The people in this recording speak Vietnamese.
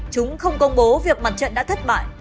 chúng không công bố việc mặt trận đã thất bại